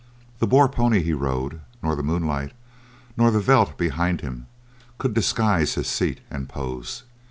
The Boer pony he rode, nor the moonlight, nor the veldt behind him, could disguise his seat and pose.